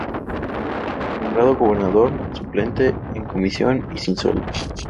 Nombrado gobernador suplente, en comisión y sin sueldo.